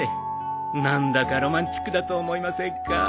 何だかロマンチックだと思いませんか。